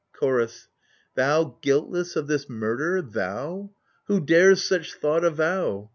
Chorus Thou guiltless of this murder, thou I Who dares such thought avow